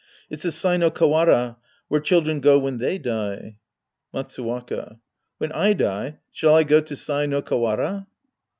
It's the Sai no Kawara, where children go when they die. Matsuwaka. When I die, shall I go to Sai no Kawara